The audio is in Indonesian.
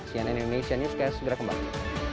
cnn indonesia news kembali